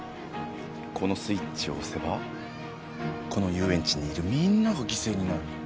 このスイッチを押せばこの遊園地にいるみんなが犠牲になる。